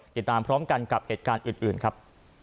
ติดตามพร้อมกันกับเหตุการณ์อื่นครับ